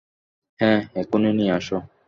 হ্যাঁ, এক্ষুনি নিয়ে আস।